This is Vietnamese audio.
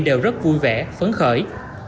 đều rất vui vẻ phấn khởi